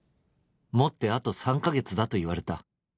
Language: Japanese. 「もってあと３カ月だと言われた」